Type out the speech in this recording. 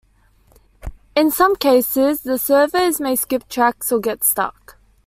In some cases, the servos may skip tracks or get stuck.